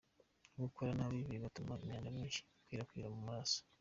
gukora nabi, bigatuma imyanda myinshi ikwirakwira mu maraso.